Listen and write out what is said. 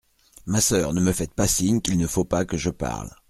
Ma soeur, ne me faites pas signe qu'il ne faut pas que je parle.